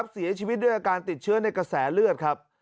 เสียชีวิตด้วยอาการติดเชื้อในกระแสเลือดครับ